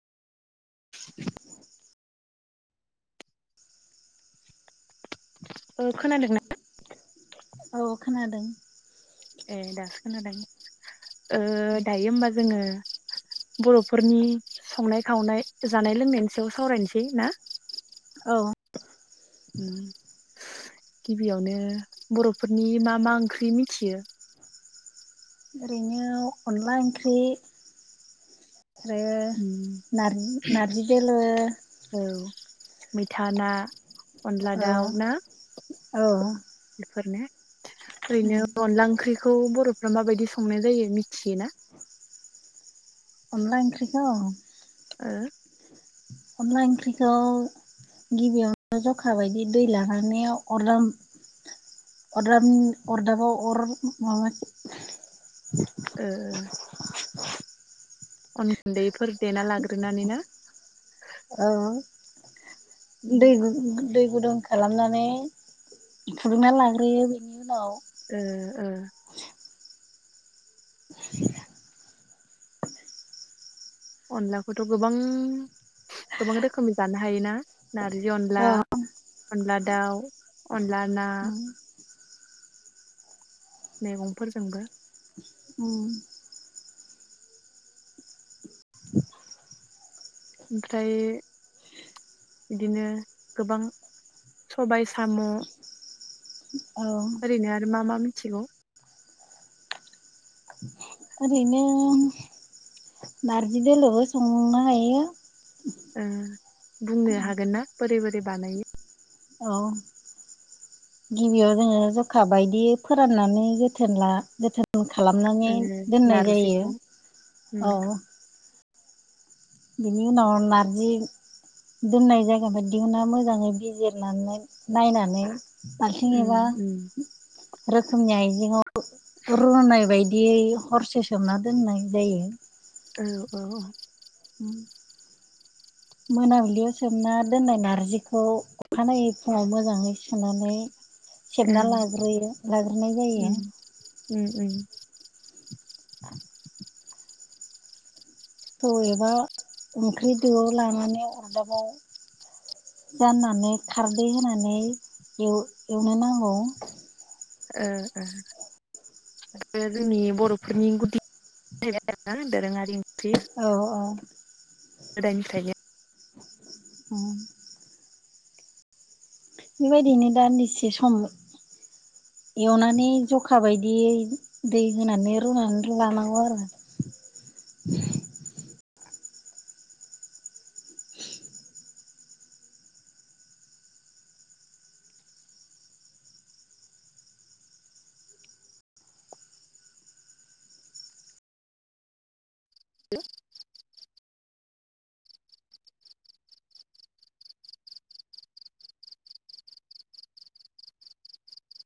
[inaudible] ओ खोनादों ना औ खोनादों खोनदों ओ दायो होमबा जोङो बर'फोरनि संनाय खावनाय जानाय लोंनायनि सायाव सावरायनोसै ना औ ओम गिबियावनो बर'फोरनि मा मा ओंख्रि मिथियो ओरैनो अनला ओंख्रि आरो उम नारजि नारजि दोलो औ मैथा ना अनला औ दाउ ना औ बेफोरनो ओरैनो अनला ओंख्रि खौ बरफ्रा माबायदि संनाय जायो मिथियोना? अनला इनख्रिखौ ओ अनला ओंख्रिखौ गिबियावनो जखा बायदि दै लानानै अरद अरदाब अरदाबाव अर माबा ओ अन गुन्दैफोर देना लाग्रोनानै ना? औ ओ दैगु गु-गु दै गुदुं खालामनानै फुदुंना लाग्रोयो बेनि उनाव ओ ओ [inaudible] अनलाखौथ गोबां गोबां रोखोमनि जानो हायोना? नारजि औ अनला अनला दाउ अनला ना मैगंफोरजोंबो उम ओमफ्राय बिदिनो गोबां सबाय साम औ ओरैनो आरो मा मा? मिथिगौ। ओरैनो नारजि दोलोबो संनो हायो‌। ओ बुंनो हागोन ना? बोरै बोरै बानायो? औ गिबियाव जोङो जखा बायदि फोराननानै जोथोन ला जोथ न खालामनानै ओ दोननाय जायो नारजिखौ उम औ बिनि उनाव नारजि दोननाय जायगाखो दिहुना मोजाङै बिजिरनानै नायनानै। बाल्थिं उम एबा उम रोखोमनि आयजेंआव रूनाय बायद दियै हरसे सोमना दोननाय जायो। औ औ मोनाबिलियाव सोमना दोन्नाय नारजिखौ अखानायै फुङाव मोजाङै सुनानै। ओं सोमना लाग्रोयो लाग्रोनाय जायो। उम उम उम [inaudible] थौ एबा ओंख्रि दोआव लानानै अरदाबाव जाननानै खारदै होनानै एव-एवनो नांगौ। ओ ओओ जोंनि बरफोरनि गुदि आरोना दोरोङारि ओंख्रि औ औ गोदायनिफ्रायनो ओम बेबायदिनो दान्दिसे सम एवनानै जखा बायदियै दै होनानै रुनानै लानांगौ आरो [unintelligible]